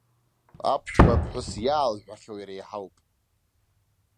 Аԥшәмаԥҳәыс иаалҳәахьоу иреиҳауп.